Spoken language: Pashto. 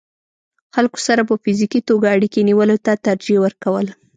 خلکو سره په فزيکي توګه اړيکې نيولو ته ترجيح ورکول